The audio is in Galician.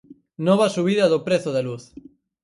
Nova subida do prezo da luz.